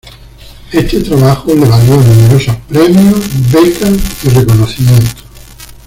Este trabajo le valió numerosos premios, becas y reconocimientos.